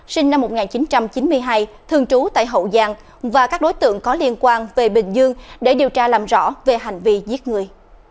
sinh năm một nghìn chín trăm chín mươi hai thường trú tại hậu giang và các đối tượng có liên quan về bình dương để điều tra làm rõ về hành vi giết người